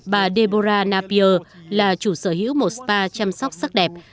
bà debora napier là chủ sở hữu một spa chăm sóc sắc đẹp